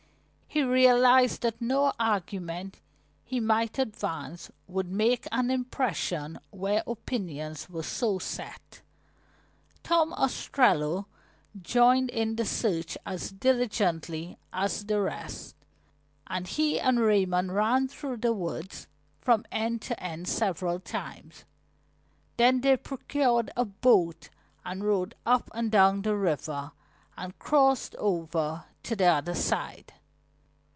He realized that no argument he might advance would make an impression where opinions were so set. Tom Ostrello joined in the search as diligently as the rest, and he and Raymond ran through the woods from end to end several times. Then they procured a boat and rowed up and down the river, and crossed over to the other side.